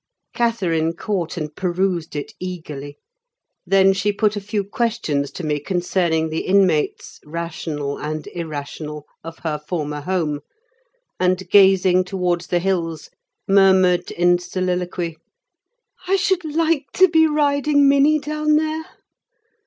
Catherine caught and perused it eagerly; then she put a few questions to me concerning the inmates, rational and irrational, of her former home; and gazing towards the hills, murmured in soliloquy: "I should like to be riding Minny down there!